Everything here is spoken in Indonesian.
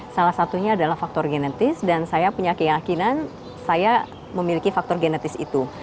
salah satunya adalah faktor genetis dan saya punya keyakinan saya memiliki faktor genetis itu